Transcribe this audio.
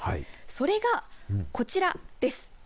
それが、こちらです。